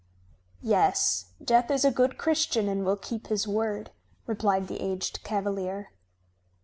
"Yes, Death is a good Christian and will keep his word," replied the aged cavalier.